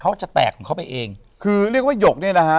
เขาจะแตกของเขาไปเองคือเรียกว่าหยกเนี่ยนะฮะ